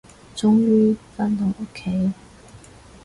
終於，返到屋企